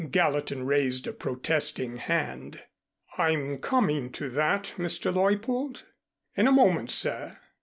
Gallatin raised a protesting hand. "I'm coming to that, Mr. Leuppold. In a moment, sir.